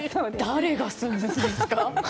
誰が住むんですか。